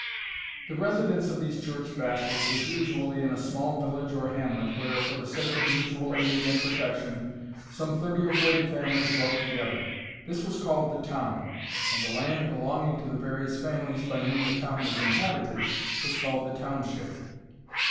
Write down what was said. The residence of these church vassals was usually in a small village or hamlet, where, for the sake of mutual aid and protection, some thirty or forty families dwelt together. This was called the Town, and the land belonging to the various families by whom the Town was inhabited, was called the Township.